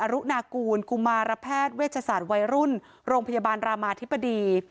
รุนากูลกุมารแพทย์เวชศาสตร์วัยรุ่นโรงพยาบาลรามาธิบดี